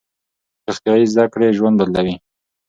روغتیايي زده کړې ژوند بدلوي.